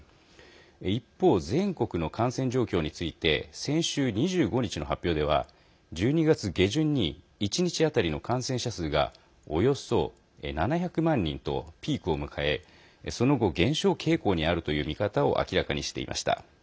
一方、全国の感染状況について先週２５日の発表では１２月下旬に１日当たりの感染者数がおよそ７００万人とピークを迎えその後、減少傾向にあるという見方を明らかにしていました。